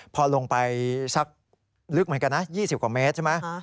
พอลงไปสักลึกเหมือนกันนะ๒๐กว่าเมตรใช่ไหม